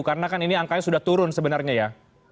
karena kan ini angkanya sudah turun sebenarnya ya